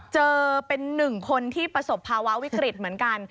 เจอเป็นหนึ่งคนที่ประสบภาวะวิกฤตเหมือนกัน